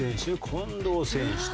近藤選手と。